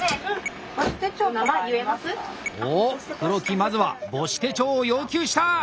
まずは母子手帳を要求した！